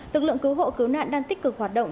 lực lượng cứu hộ cứu nạn đang tích cực hoạt động